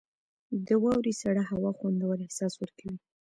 • د واورې سړه هوا خوندور احساس ورکوي.